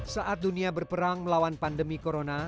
saat dunia berperang melawan pandemi corona